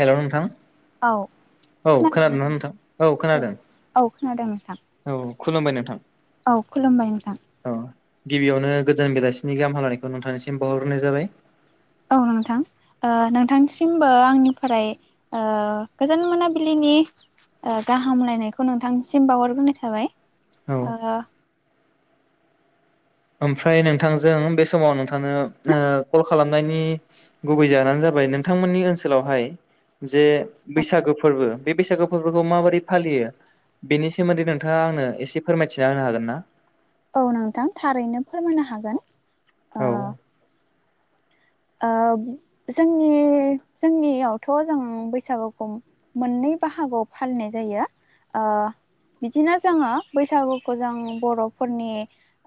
Hello नोंथां औ खोनादोंना नोंथां औ औ खोनादों नोंथां। औ खुलुमबाय नोंथां औ खुलुमबाय नोंथां। औ गिबियावनो गोजान बेलासिनि गाहाम हालनायखौ नोंथांनिसिम बहरग्रोनाय जाबाय। औ नोंथां ओ नोंथांसिमबो आंनिफ्राय ओ गोजान मोनाबिलिनि ओ गाहामलायनायखौ नोंथांसिम बावहरग्रोनाय थाबाय औ ओमफ्राय नोंथांजों बे समाव नोंथांनो कल खालामनायनि गुबै जानो जाबाय जाबाय नोंथांमोननि ओनसोलावहाय जे बैसागो फोरबो बे बैसागो फोरबोखौ माबोरै फालियो बेनि सोमोन्दै नोंथाङा आंनो एसे फोरमायथिना होनो हागोन ना औ नोंथां थारैनो फोरमायनो हागोन औ ओ जोंनि जोंनियावथ' जों बैसागुखौ मोननै बाहागोआव फालिनाय जायो ओ बिदिनो जोङो बैसागुखौ जों बर'फोरनि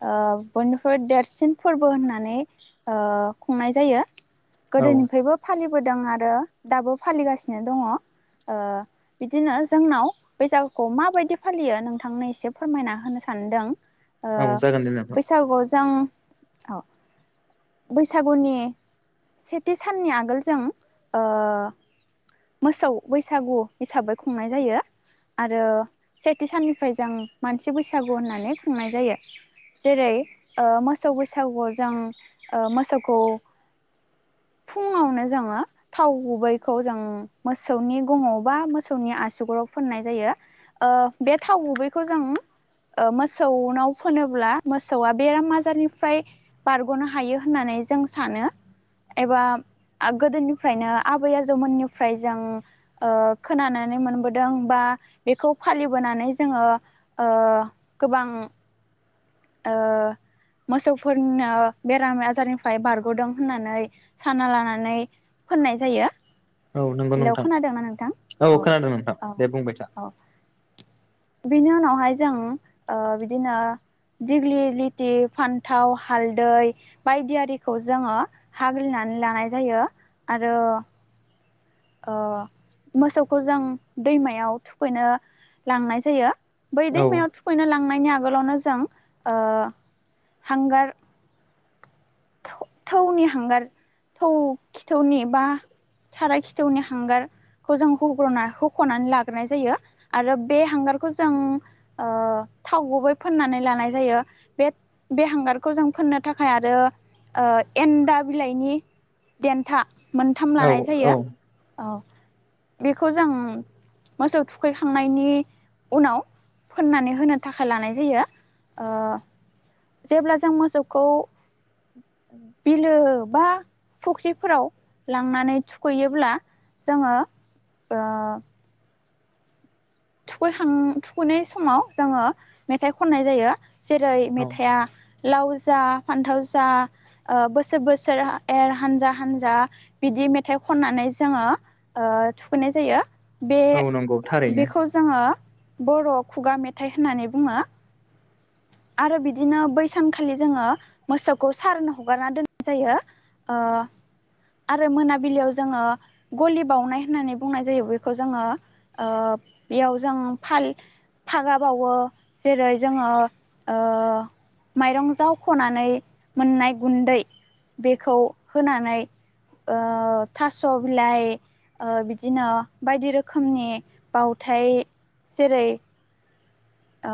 ओ बयनिख्रुइ देरसिन फोरबो होननानै ओ खुंनाय जायो। औ गोदोनिफायबो फालि बोदों आरो दाबो फालिगासिनो दङ'। ओ बिदिनो जोंनाव बैसागुखौ माबायदि फालियो नोंथांनो एसे फोरमायना होनो सानदों ओ औ जागोन दे नोंथां बैसागुआव जों अ बैसागुनि सेथि साननि आगोल जों ओ मोसौ बैसागु हिसाबै खुंनाय जायो। आरो सेथि साननिफ्राय जों मानसि बैसागु होननानै खुंनाय जायो। जेरै ओ मोसौ बैसागुआव जों ओ मोसौखौ फुङावनो जोङो थाव गुबैखौ जों मोसौनि गङाव बा मोसौनि आसुगुराव फुननाय जायो ओ बे थाव गुबैखौ जों ओ मोसौनाव फोनोब्ला मोसौआ बेराम आजारनिफ्राय बारग'नो हायो होननानै जों सानो एबा गोदोनिफ्रायनो आबै आजौमोननि फ्राय जों ओ खोनानानै मोनबोदों बा बेखौ फालिबोनानै जोङो ओ गोबां ओ मोसौफोरनो बेराम आजारनिफ्राय बारग'दों होननानै सानना लानानै फोननाय जायो। औ नंगौ हेल' नोंथां खोनादों ना नोंथां औ खोनादों नोंथां औ दे बुंबाय था औ बिनि उनावहाय जों ओ बिदिना दिग्लि लिति फान्थाव हालदै बायदि आरिखौ जोङो हाग्लिना लानाय जायो आरो ओ मोसौखौ जों दैमायाव थुखैनो लांनाय जायो। बै औ दैमायाव थुखैनो लांनायनि आगोलावनो जों ओ हांगार थौ-थौनि हांगार थौ खिथौनि बा साराय खिथौनि हांगार खौ जों होग्रना होख'नानै लाग्रोनाय जायो आरो बे हांगारखौ जों ओ थाव गुबै फोननानै लानाय जायो बे बे हांगारखौ जों फोननो थाखाय आरो ओ एन्दा बिलाइनि देन्था मोनथाम औ लानाय औ जायो। औ बेखौ जों मोसौ थुखैखांनायनि उनाव फोननानै होनो थाखाय लानाय जायो ओ जेब्ला जों मोसौखौ बिलो बा फुख्रिफोराव लांनानै थुखैयोब्ला जोङो ओ थुखैखां थुखैनाय समाव जोङो मेथाइ खननाय जायो। जेरै औ मेथाइया लाव जा फान्थाव जा ओ बोसोर बोसोर एर हानजा हानजा बिदि मेथाइ खननानै जोङो ओ ओ थुखैनाय जायो। औ नंगौ थारैनो। ङो बर' खुगा मेथाइ होननानै बुङो। आरो बिदिनो बै सानखालि जोङो मोसौखौ सारोन हगारना दोननाय जायो। ओ आरो मोनाबिलियाव जोङो गलि बावनाय होननानै बुंनाय जायो बेखौ जोङो ओ बेयाव जों फाल फागा बावो। जेरै जोङो ओ माइरं जावख'नानै मोननाय गुन्दै बेखौ होनानै ओ थास' बिलाइ ओ बिदिनो बायदि रोखोमनि बावथाय जेरै ओ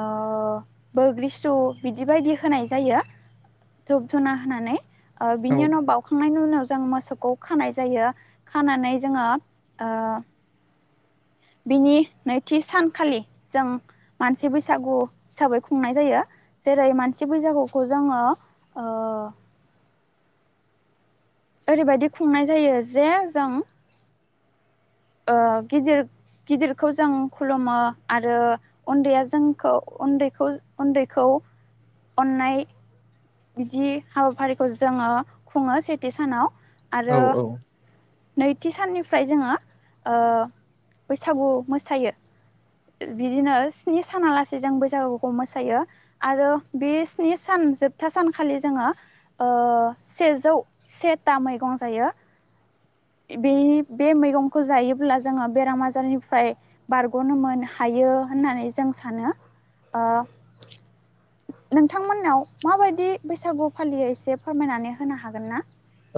बोग्रि सु बिदि बायदि होनाय जायो। धुप धुना होनानै ओ औ बिनि उनाव बावखांनायनि उनाव जों मोसोखौ खानाय जायो खानानै जोङो ओ बिनि नैथि सानखालि जों मानसि बैसागु हिसाबै खुंनाय जायो। जेरै मानसि बैसागुखौ जोङो ओ ओरैबायदि खुंनाय जायो जे जों ओ गिदिर गिदिरखौ जों खुलुमो आरो उन्दैया जोंखौ उन्दै उन्दैखौ अननाय। बिदि हाबाफारिखौ जोङो खुङो सेथि सानाव। औ आरो औ। नैथि साननिफ्राय जोङो ओ बैसागु मोसायो। बिदिनो स्नि सानालासे जों बैसागुखौ मोसायो आरो बे स्नि सान जोबथा सानखालि जोङो। ओ सेजौ सेथा मैगं जायो। बेनि बे मैगंखौ जायोब्ला जोङो बेराम आजारनिफ्राय बारग'नो मोन हायो। यो होननानै जों सानो ओ नोंथांमोननाव माबायदि बैसागु फालियोै एसे फोरमायनानै होनो हागोन ना?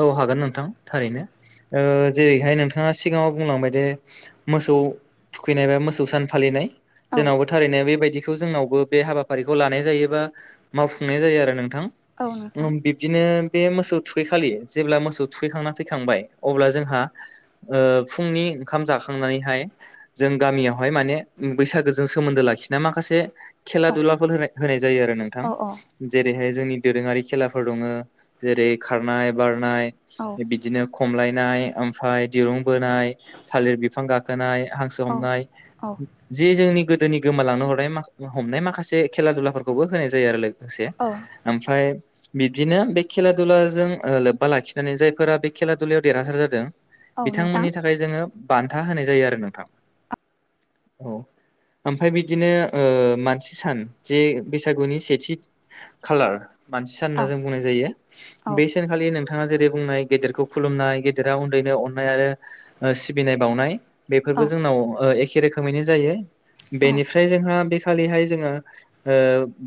औ हागोन नोंथां थारैनो ओ जेरैहाय नोंथाङा सिगाङाव बुंलांबाय दे मोसौ थुखैनाय बा मोसौ सान फालिनाय। औ जोंनावबो थारैनो बेबायदिखौ जोंनावबो बे हाबाफारिखौ लानाय जायोबा मावफुंनाय जायो आरो नों थां औ नोंथां बिबदिनो बे मोसौ थुखैखा खालि जेब्ला मोसौ थुखैखांना फैखांबाय अब्ला जोंहा ओ फुंनि ओंखाम जाखांनानै नैहाय जों गामियावहाय माने बैसागोजों सोमोन्दो लाखिना माखासे खेला औ दुलाफोर होनाय होनाय जायो आरो नोंथां औ जेरैहाय जोंनि दोरोङारि खेलाफोर दङ जेरै खारनाय बारनाय औ बिदिनो खमलायनाय ओमफ्राय दिरुं बोनाय थालिर बिफां गाखोनाय। हांसो औ हमनाय औ जे जोंनि गो दोनि गोमालांनो हरनाय हमनाय माखासे खेला दुलाफोरखौबो होनाय जायो आरो लोग से औ ओमफ्राय बिब्दिनो बे खेला दुला जों ओ लोब्ब लाखिनानै जायफोरा बे खेला दुलयाव देरहासार जादों औ नोंथां बिथांमोननि थाखाय जोङो। बान्था होनाय जायो आरो नोंथां औ। ओमफाय बिदिनो मानसि सान जे बैसागुनि सेथि खालार मानसि सान होनना औ जों बुंनाय जायो औ बे सानखालि नों थाङा जेरै बुंनाय गेदेरखौ खुलुमनाय गेदेरा उन्दैनो अननाय आरो सिबिनाय बावनाय। औ बेफोरबो जोंनाव ओ एखे रोखोमैनो जायो औ बेनिफ्राय जोंहा बे खालिहाय जोङो ओ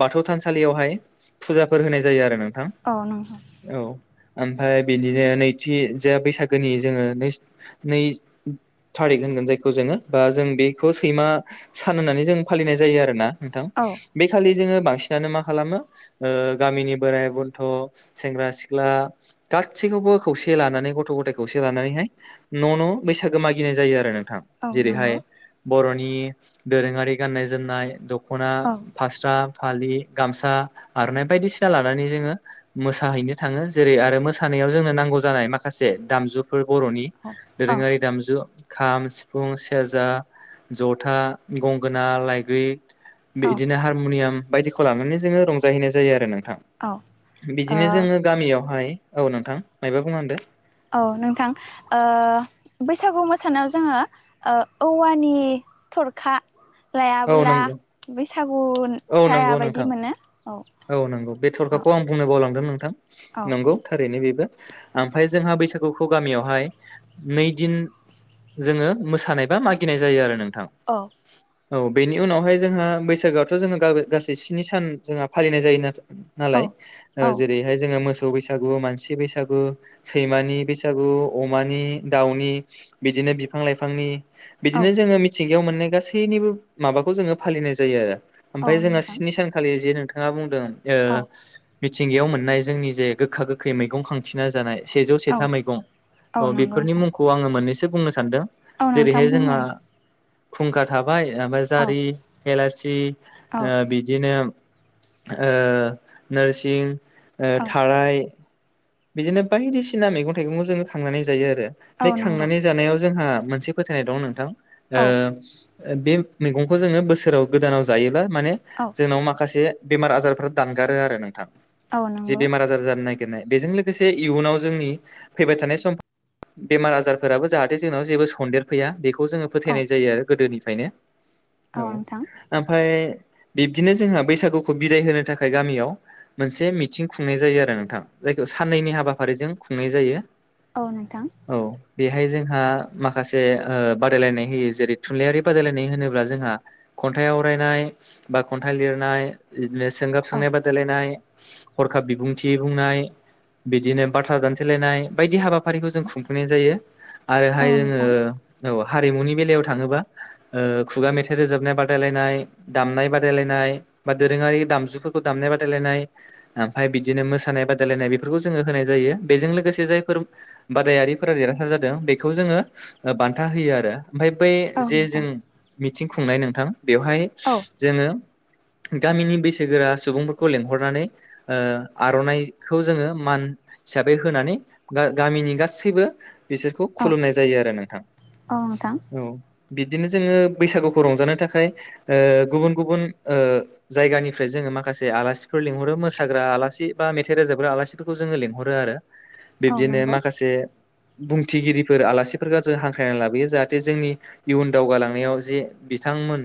बाथौ थानसालियावहाय फुजाफोर होनाय जायो आरो न औ नंगौ। ओमफ्राय बिदिनो नैथि जा बैसागोनि जोङो न नै थारिख होनगोन जायखौ जोङो बा जों बेखौ सैमा सान होननानै जों फालिनाय जायो आरोना। नोंथां औ बे खालि जोङो बांसिनानो मा खालामो ओ गामिनि बोराइ बन्थ' सेंग्रा सिख्ला गासैखौबो खौसे लानानै गथ' गथायाइ खौसे लानानैहाय न' न' ब सागो मागिनाय जायो आरो नो थखं औ नंगौ जेरैहाय बर'नि दोरोङारि गाननाय जोमनाय दख ख'ना औ फास्रा फालि गामसा आर'नाइ बायदिसिना लानानै जोङो। मोसाहैनो थाङो जेरै आरो मोसानायाव जोंनो नांगौ जानाय माखासे दामजु फोर बर'नि औ दोरोङारि दामजु। खाम सिफुं सेरजा जथा गंगोना लाइग्रि औ बिदिनो हारम'नियाम बायदिखौ लानानै जोङो रंजाहैनाय जायो आरो नों औ। ओ बिदिनो जोङो गामियावहाय औ नोंथां मायबा बुंदों? औ नोंथां ओ बैसागु मोसानायाव जोङो ओ औवानि थरखा औ लायाबोला नंगौ बैसागु औ जाया नंगौ बायदि नोंथां मोनो औ नंगौ बे औ थरखाखौ आं बुंनो बावलांदों नोंथां औ नंगौ थारैनो बेबो ओमफ्राय जोंहा बैसागुखौ गामियावहाय नैदिन जोङो मोसानाय बा मागिनाय जायो आरो नों थां औ औ बेनि उनावहाय जोंहा बैसागआव थ'जोङो गाबै गासै स्नि सान जोंहा फालिनाय जायोनालाय ओ औ जेरैहाय जोङो मो मोसौ बैसागु मानसि बैसागु सैमानि बैसागु अमानि दाउनि बिदिनो बिदिनो बिफां लाइफांनि औ बिदिनो जोङो मिथिंगायाव मोननाय गासैनिबो माबाखौ जोङो फालिनाय जायो आरो । औ ओमफ्राय जोंहा नोंथां स्नि सानखालि जे नोंथाङा बुंदों ओ औ मिथिंगायाव मोननाय जोंनि जे गोखा गोखै मैगं खांथिना जानाय सेजौ औ सेथा मैगं औ अ नंगौ बेफोरनि नोंथां मुंखौ आङो मोननैसो बुंनो सानदों औ नोंथां जेरैहाय जोंहा बुंलाय खुंखा थाबाय ओमफ्राय औ जारि एलासि औ ओ बिदिनो ओ ओ नोरसिं ओ औ थाराय बिदिनो बायदिसिना मैगं थाइगंखौ जोङो खांनानै जायो आरो औ बे नंगौ खांनानै जानायाव जोंहा मोनसे फोथायनाय दं नोंथां ओ औ बे मैगंखौ जोङो बोसोराव गोदानाव जायोबा माने औ जोंनाव माखासे बेमार आजारफोर दानगारो आरो नोंथां औ जे नंगौ बेमार आजार जानाय नागिरनाय बेजों लोगोसे इयुनाव जोंनि फैबाय थानाय सम बेमार आजारफोराबो जाहाथे जोंनाव जेबो सन्देर फैया बेखौ खौ जोङो औ फोथायनाय जायो आरो गोदोनिफ्रायनो। औ ओमफ्राय बिब्दिनो जोंहा बैसागुखौ बिदाय होनो थाखाय गामियाव मोनसे मिथिं खुंनाय जायो आरो नोंथां जायखौ साननैनि हाबाफारिजों खुंनाय जायो । औ नोंथां । बेहाय जोंहा माखासे ओ बादायलायनाय होयो जेरै थुनलाइयारि बादायलायनाय होनोब्ला जोंहा खन्थाइ आवरायनाय बा खन्थाइ लिरनाय [unintelligible] सोंगाब औ सोंनाय बादायलायनाय हरखाब बिबुंथि बुंनाय बिदिनो बाथ्रा दानथेलायनाय बायदि हाबाफारिखौ जों खुंफुंनाय जायो । औ आरोहाय जोङो नोंथां औ । हारिमुनि बेलायाव थाङोबा ओ खुगा मेथाइ रोजाबनाय बादायलायनाय दामनाय बादायलायनाय बा दोरोङारि दामजुफोरखौ दामनाय बादायलायनाय ओमफ्राय बिदिनो मोसानाय बादायलायनाय बे फोरखौ जोङो होनाय जायो बेजों लोगोसे जायफोर बादायारिफोरा देरहासार जादों बेखौ जोङो बान्था होयो आरो । ओमफाय बै औ जे जों नोंथां मिथिं खुंनाय नोंथां बेवहाय औ जोङो गामिनि बैसोगोरा सुबुंफोरखौ लेंहरनानै ओ आर'नाइखौ जोङो मान हिसाबै होनानै गा-गामिनि गासैबो बिसोरखौ औ खुलुमनाय जायो आरो नोंथां औ नोंथां औ । बिबदिनो जोङो बैसागुखौ रंजानो थाखाय ओ गुबुन गुबुन ओ जायगानिफ्राय जों ङो माखासे आलासिफोर लिंहरो मोसाग्रा आलासि बा मेथाइ रोजाबग्रा आलासि । [unintelligible] जोङो लिंहरो आरो औ बिब्दिनो नंगौ माखासे बुंथिगिरिफोर आलासिफोरखौ जों हांख्रायनानै लाबोयो जाहाथे जोंनि इयुन दावगालांनायाव जे बिथां मोन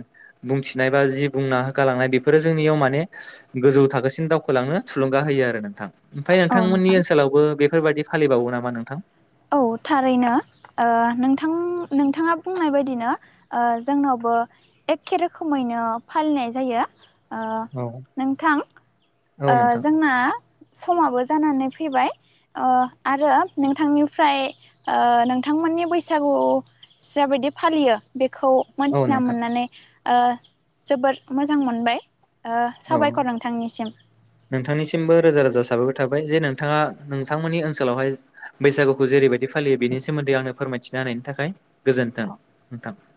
बुंथिनाय बा जि बुंना गालांनाय बेफोरो जोंनियाव माने गोजौ थाखोसिम दावखोलां नों थुलुंगा होयो आरो नोंथां। ओमफ्राय औ नोंथांमोननि नोंथां ओनसोलावबो बेफोरबायदि फालिबावो नामा नोंथां? औ थारैनो ओ नोंथां नोंथाङा बुंनाय बायदिनो ओ जोंनाव बो एखे रोखोमैनो फालिनाय जायो । औ ओ नोंथां ओ नोंथां जोंना समाबो जानानै फैबाय ओ आरो नोंथांनि फ्राय ओ नोंथांमोननि बैसागुआव जाबायदि फालियो बे खौ औ मोनथिना नोंथां मोननानै ओ जोबोद मोजां मोनबाय । औ नोंथांनिसिमबो रोजा रोजा साबायखर थाबाय जे नोंथाङा नोंथांमोननि ओनसोलावहाय बैसागुखौ जेरैबायदि फालियो बेनि सोमोन्दै आंनो फोरमायथिना होनायनि थाखाय । गोजोन्थों औ नोंथां ।